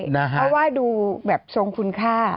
เพราะว่าดูแบบทรงคุณค่า